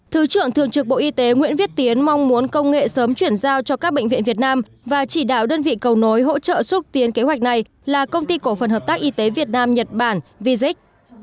thứ trưởng thường trực bộ y tế nguyễn viết tiến mong muốn công nghệ sớm chuyển giao cho các bệnh viện việt nam và chỉ đạo đơn vị cầu nối hỗ trợ xúc tiến kế hoạch này là công ty cổ phần hợp tác y tế việt nam nhật bản vizik